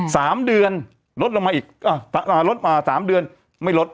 สามเดือนลดลงมาอีกอ่าอ่าลดอ่าสามเดือนไม่ลด